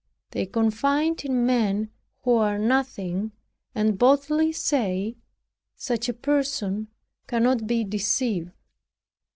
They confide in men who are nothing, and boldly say, "Such a person cannot be deceived."